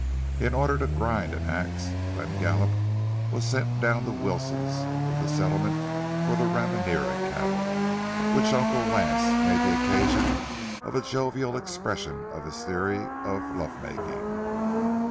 In order to grind an axe, Glenn Gallup was sent down to Wilson's with the settlement for the Ramirena cattle, which Uncle Lance made the occasion of a jovial expression of his theory of love making.